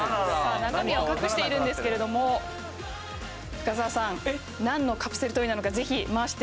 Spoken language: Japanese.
中身は隠しているんですけれども深澤さん何のカプセルトイなのかぜひ回してください